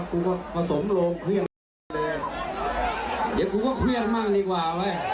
กูพอสมโลกเคลี่งเลยเดี๋ยวกูก็เคลี่งมากดีกว่า